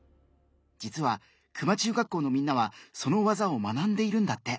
実は球磨中学校のみんなはその技を学んでいるんだって。